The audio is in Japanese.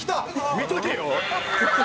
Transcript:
「見とけよ！」